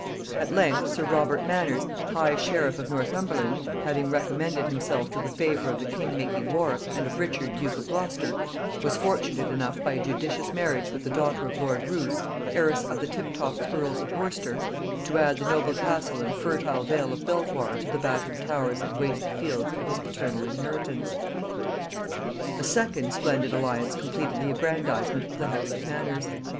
At length sir Robert Manners, high sheriff of Northumberland, having recommended himself to the favor of the king making Warwick and of Richard duke of Gloucester, was fortunate enough by a judicious marriage with the daughter of lord Roos, heiress of the Tiptofts earls of Worcester, to add the noble castle and fertile vale of Belvoir to the battered towers and wasted fields of his paternal inheritance. A second splendid alliance completed the aggrandizement of the house of Manners.